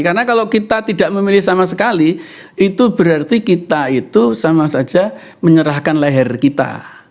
karena kalau kita tidak memilih sama sekali itu berarti kita itu sama saja menyerahkan leher kita